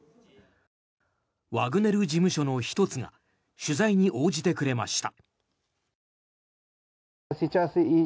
ワグネル事務所の１つが取材に応じてくれました。